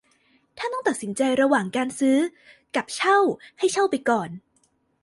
ถ้าต้องตัดสินใจระหว่างการซื้อกับเช่าให้เช่าไปก่อน